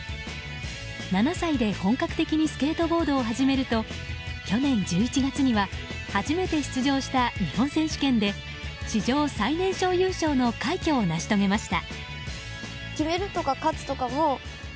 ７歳で本格的にスケートボードを始めると去年１１月には初めて出場した日本選手権で史上最年少優勝の快挙を成し遂げました。